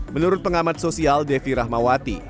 menurut pengamat sosial devi rahmawati